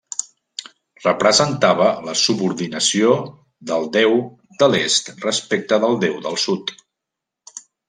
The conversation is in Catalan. Representava la subordinació del déu de l'est respecte el déu del sud.